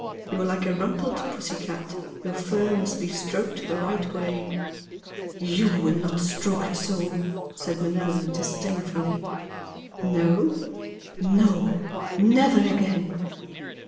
You are like a rumpled pussy cat your fur must be stroked the right way." "YOU will not stroke it so!" said Manella, disdainfully. "No?" "No. Never again!"